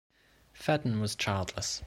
Fedden was childless.